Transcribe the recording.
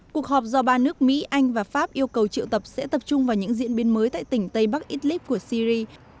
cuộc họp do ba nước mỹ anh và pháp yêu cầu triệu tập sẽ tập trung vào những diễn biến mới tại tỉnh tây bắc idlib của syri